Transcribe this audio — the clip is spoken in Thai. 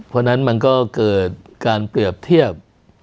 เพราะฉะนั้นมันก็เกิดการเปรียบเทียบ